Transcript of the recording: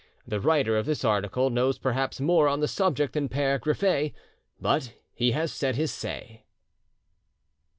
The writer of this article knows perhaps more on this subject than Pere Griffet. But he has said his say."